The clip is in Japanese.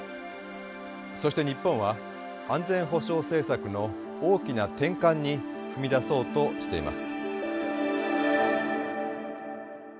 そして日本は安全保障政策の大きな転換に踏み出そうとしています。